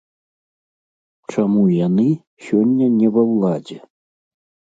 Чаму яны сёння не ва ўладзе?